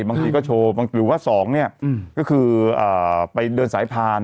บางทีก็โชว์บางหรือว่า๒เนี่ยก็คือไปเดินสายพาน